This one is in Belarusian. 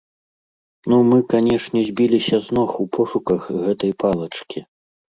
Ну, мы, канешне, збіліся з ног у пошуках гэтай палачкі.